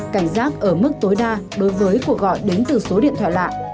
cảnh giác ở mức tối đa đối với cuộc gọi đến từ số điện thoại lạ